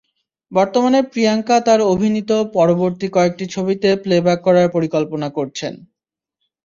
বর্তমানে প্রিয়াঙ্কা তাঁর অভিনীত পরবর্তী কয়েকটি ছবিতে প্লেব্যাক করার পরিকল্পনা করছেন।